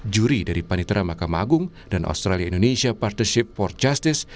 juri dari panitera mahkamah agung dan australia indonesia partnership for justice